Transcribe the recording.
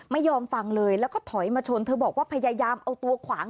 ไม่ยอมฟังเลยแล้วก็ถอยมาชนเธอบอกว่าพยายามเอาตัวขวาง